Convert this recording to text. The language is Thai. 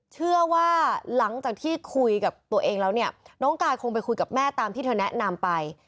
เชื่อว่าหลังจากที่คุยกับตัวเองแล้วเนี่ยน้องกายคงไปคุยกับแม่ตามที่เธอแนะนำไป